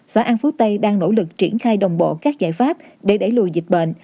xã an phú tây đang nỗ lực triển khai đồng bộ các giải pháp để đẩy lùi dịch bệnh